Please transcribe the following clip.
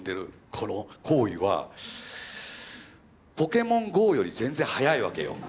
この行為は「ポケモンＧＯ」より全然早いわけよ。